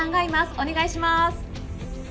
お願いします。